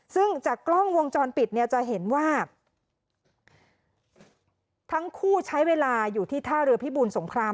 ซึ่งจากกล้องวงจรปิดเนี่ยจะเห็นว่าทั้งคู่ใช้เวลาอยู่ที่ท่าเรือพิบูลสงคราม